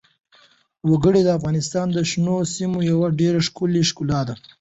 وګړي د افغانستان د شنو سیمو یوه ډېره ښکلې ښکلا ده.